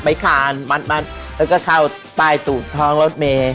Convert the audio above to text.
ไต้ขานมัดแล้วก็เข้าใต้ถุงท้องรถเมค